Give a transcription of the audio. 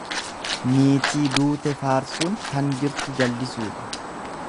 Niitii duute faarsuun tan jirtu jallisuudha.